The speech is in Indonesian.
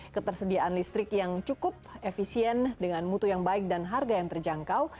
ketersediaan listrik yang cukup efisien dengan mutu yang baik dan harga yang terjangkau